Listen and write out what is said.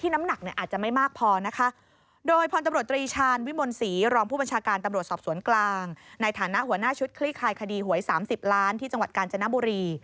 ในจังหวัดกาลจนบุรี